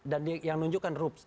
dan dia yang nunjukkan rups